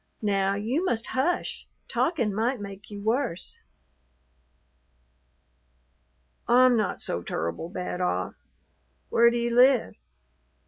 Now you must hush. Talkin' might make you worse." "I'm not so tur'ble bad off. Where do you live?"